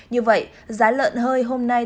như vậy giá lợn hơi hôm nay